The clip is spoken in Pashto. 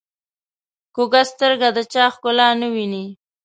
کوږه سترګه د چا ښکلا نه ویني